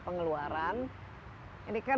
pengeluaran ini kan